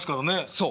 そう。